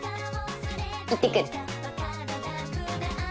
行ってくる。